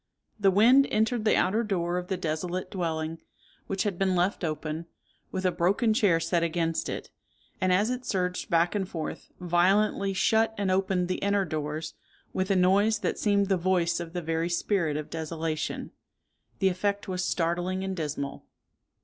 The wind entered the outer door of the desolate dwelling, which had been left open, with a broken chair set against it; and as it surged back and forth, violently shut and opened the inner doors, with a noise that seemed the voice of the very spirit of desolation. The effect was startling and dismal."